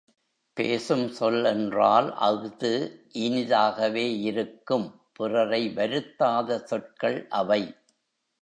பேசும் சொல் என்றால் அஃது இனி தாகவே இருக்கும் பிறரை வருத்தாத சொற்கள் அவை.